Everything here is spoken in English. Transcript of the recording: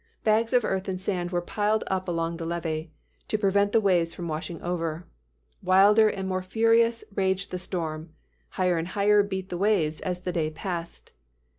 Bags of earth and sand were piled up along the levee, to prevent the waves from washing over. Wilder and more furious raged the storm: higher and higher beat the waves, as the day passed.